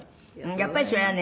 やっぱりそれはね